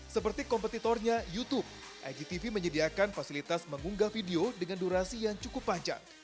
seperti kompetitornya youtube igtv menyediakan fasilitas mengunggah video dengan durasi yang cukup panjang